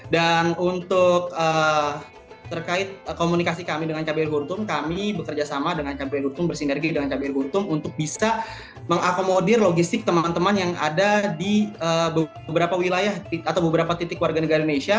dan untuk terkait komunikasi kami dengan kbri khartum kami bekerja sama dengan kbri khartum bersinergi dengan kbri khartum untuk bisa mengakomodir logistik teman teman yang ada di beberapa wilayah atau beberapa titik warga negara